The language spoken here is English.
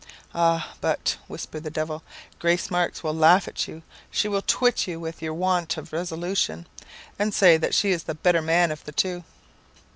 'Ah, but,' whispered the devil, 'Grace Marks will laugh at you. She will twit you with your want of resolution, and say that she is the better man of the two.'